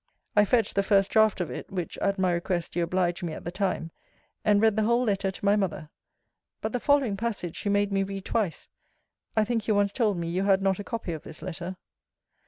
I fetched the first draught of it, which at my request you obliged me at the time; and read the whole letter to my mother. But the following passage she made me read twice. I think you once told me you had not a copy of this letter.